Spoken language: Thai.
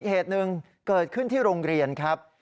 เหตุหนึ่งเกิดขึ้นที่โรงเรียนครับ